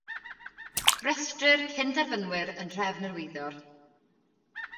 Rhestrir cynderfynwyr yn nhrefn yr wyddor.